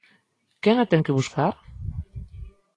Quen a ten que buscar?